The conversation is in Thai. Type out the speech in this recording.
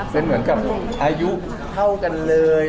เป็นเหมือนกับอายุเท่ากันเลย